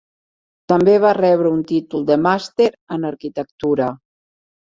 També va rebre un títol de Màster en Arquitectura.